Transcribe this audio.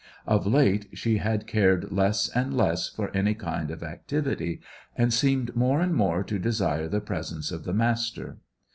Of late she had cared less and less for any kind of activity, and seemed more and more to desire the presence of the Master.